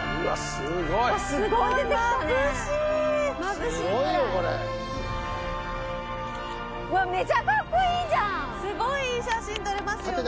すごいいい写真撮れますよね。